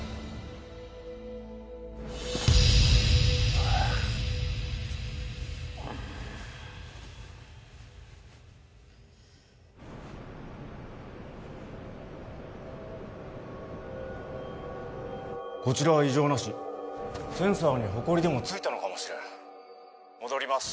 はぁこちらは異常なしセンサーにホコリでも付いたのかもしれん戻ります